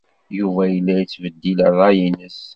Yuba yella yettbeddil ṛṛay-nnes.